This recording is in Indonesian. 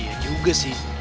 iya juga sih